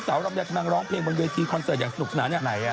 ลำไยกำลังร้องเพลงบนเวทีคอนเสิร์ตอย่างสนุกสนานเนี่ย